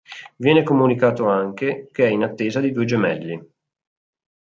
Viene comunicato anche, che è in attesa di due gemelli.